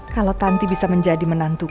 kalau tanti bisa menjadi menantu